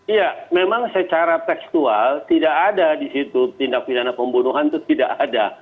iya memang secara tekstual tidak ada di situ tindak pidana pembunuhan itu tidak ada